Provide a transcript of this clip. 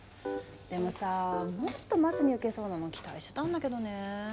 でもさあもっとマスに受けそうなの期待してたんだけどねえ。